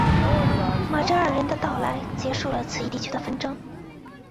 马扎尔人的到来结束了此一地区的纷争。